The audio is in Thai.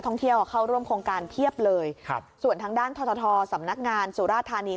ท่องเที่ยวเข้าร่วมโครงการเพียบเลยครับส่วนทางด้านททสำนักงานสุราธานี